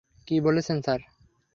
কী বলছেন স্যার?